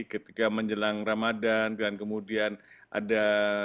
ketika menjelang ramadan dan kemudian ada